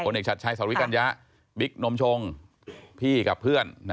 เอกชัดชัยสริกัญญะบิ๊กนมชงพี่กับเพื่อน